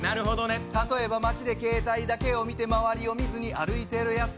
例えば街で携帯だけを見て周りを見ずに歩いているやつ。